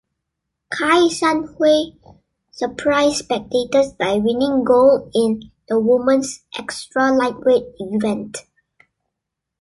Kye Sun-hui surprised spectators by winning gold in the women's extra-lightweight event.